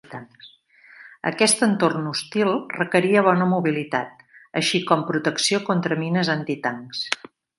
Aquest entorn hostil requeria bona mobilitat, així com protecció contra mines antitancs.